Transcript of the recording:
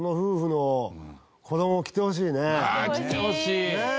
来てほしい！ねえ？